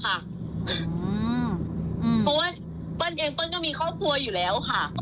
เพราะว่าเปิ้ลเองเปิ้ลก็มีครอบครัวอยู่แล้วค่ะ